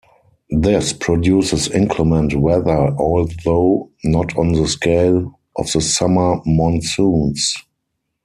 This produces inclement weather although not on the scale of the summer monsoons.